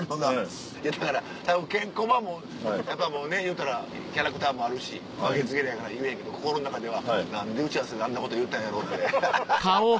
だからたぶんケンコバもやっぱもうね言うたらキャラクターもあるし負けず嫌いやから言えへんけど心の中では「何で打ち合わせであんなこと言うたんやろう」って。